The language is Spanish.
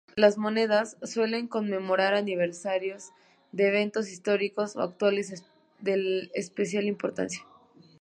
Las monedas suelen conmemorar aniversarios de eventos históricos o actuales de especial importancia.